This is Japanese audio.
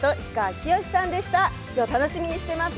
きょう楽しみにしています